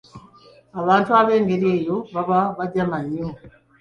Abantu ab'engeri eyo baba bajama nnyo.